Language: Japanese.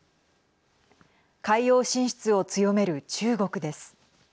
海洋進出を強める中国です。